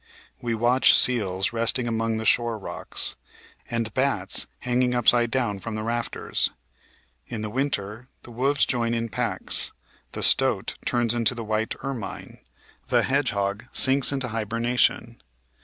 We watch seals resting among the shore rocks, and bats hanging upside down from the rafters. In the winter the wolves join in packs, the stoat turns into the white ermine, the hedgehog sinks into hibernation.